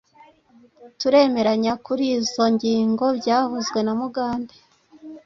Turemeranya kurizoi ngingo byavuzwe na mugabe